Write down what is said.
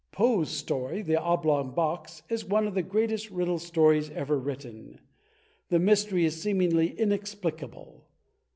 Poe's story, "The Oblong Box," is one of the greatest Riddle Stories ever written. The mystery is seemingly inex plicable.